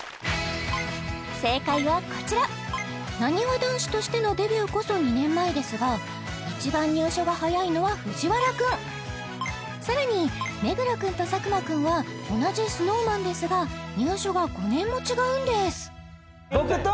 正解はこちらなにわ男子としてのデビューこそ２年前ですが一番入所が早いのは藤原くんさらに目黒くんと佐久間くんは同じＳｎｏｗＭａｎですが入所が５年も違うんです